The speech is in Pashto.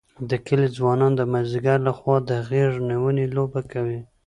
د کلي ځوانان د مازدیګر لخوا د غېږ نیونې لوبه کوي.